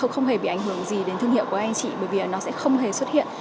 không hề bị ảnh hưởng gì đến thương hiệu của anh chị bởi vì nó sẽ không hề xuất hiện